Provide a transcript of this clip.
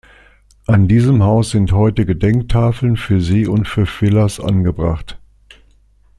An diesem Haus sind heute Gedenktafeln für sie und für Villers angebracht.